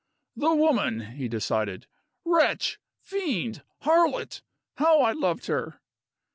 "The woman," he decided. "Wretch! Fiend! Harlot! How I loved her!!!"